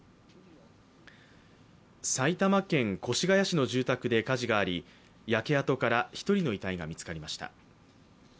埼玉県越谷市の住宅で火事があり焼け跡から１人の遺体が見つかりました。